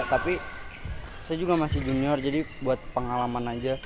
tapi saya juga masih junior jadi buat pengalaman aja